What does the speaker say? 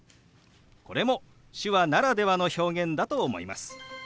これも手話ならではの表現だと思います。